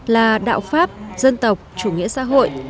là đạo pháp dân tộc chủ nghĩa xã hội